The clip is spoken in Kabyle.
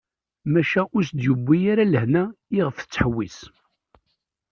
Maca ur as-d-yewwi ara lehna iɣef tettḥewwis.